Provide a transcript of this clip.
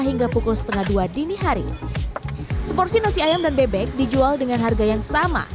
hingga pukul setengah dua dini hari seporsi nasi ayam dan bebek dijual dengan harga yang sama